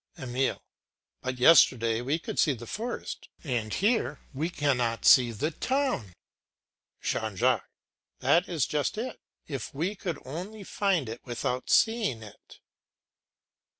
EMILE. But yesterday we could see the forest, and here we cannot see the town. JEAN JACQUES. That is just it. If we could only find it without seeing it.